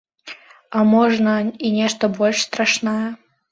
А можна і нешта больш страшнае.